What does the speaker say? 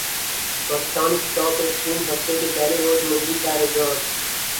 Pakistan stock exchange ہفتے کے پہلے روز مندی کا رحجان